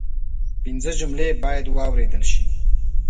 پنځه جملې باید واوریدل شي